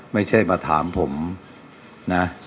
ไม่ใช่มาถามผมนะ